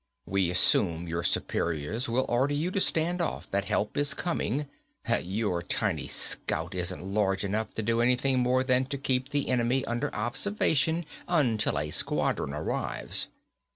We assume your superiors will order you to stand off, that help is coming, that your tiny Scout isn't large enough to do anything more than to keep the enemy under observation until a squadron arrives.